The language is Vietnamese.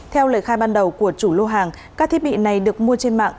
theo lời khai ban đầu của chủ lô hàng các thiết bị này được mua trên mạng